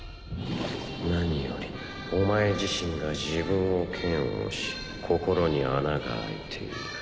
何よりお前自身が自分を嫌悪し心に穴が開いている。